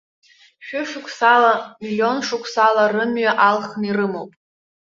Шәышықәсала, миллион шықәсала рымҩа алхны ирымоуп.